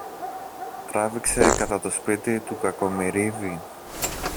τράβηξε κατά το σπίτι του Κακομοιρίδη.